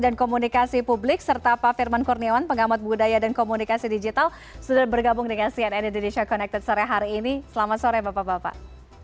dan komunikasi publik serta pak firman kurniawan pengamat budaya dan komunikasi digital sudah bergabung dengan cnn indonesia connected sore hari ini selamat sore bapak bapak